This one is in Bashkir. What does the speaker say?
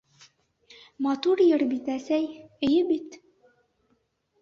— Матур йыр бит, әсәй, эйе бит?